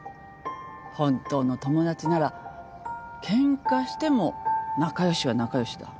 本当の友達ならケンカしても仲良しは仲良しだ。